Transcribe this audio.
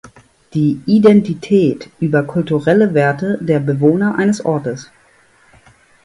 Die Identität über kulturelle Werte der Bewohner eines Ortes.